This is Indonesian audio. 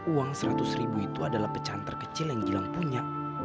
uang seratus itu adalah pecahan terkecil yang gila punya